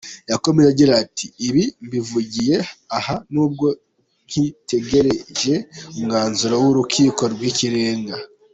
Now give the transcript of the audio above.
Yakomeje agira ati “Ibi mbivugiye aha nubwo nkitegereje umwanzuro w’Urukiko rw’Ikirenga.